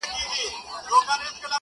• وفا سمندر ځانګړی ليکوال دئ,